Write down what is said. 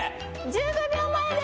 １５秒前です。